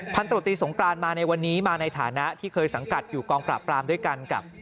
ตรวจตีสงกรานมาในวันนี้มาในฐานะที่เคยสังกัดอยู่กองปราบปรามด้วยกันกับ